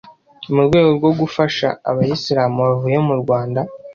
mu rwego rwo gufasha abayislam bavuye mu Rwanda